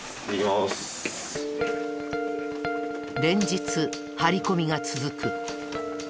連日張り込みが続く。